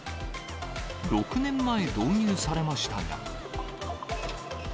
６年前、導入されましたが。